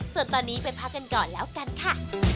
ส่วนตอนนี้ไปพักกันก่อนแล้วกันค่ะ